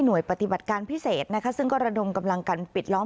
ปฏิบัติการพิเศษนะคะซึ่งก็ระดมกำลังกันปิดล้อม